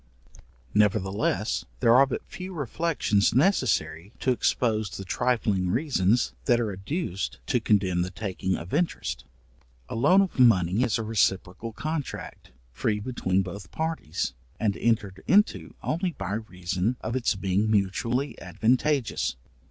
Nevertheless, there are but few reflections necessary to expose the trifling reasons that are adduced to condemn the taking of interest. A loan of money is a reciprocal contract, free between both parties, and entered into only by reason of its being mutually advantageous.